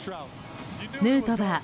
ヌートバー